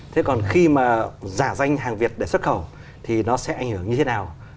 thế còn khi mà giả danh hàng việt để xuất khẩu thì nó sẽ ảnh hưởng như thế nào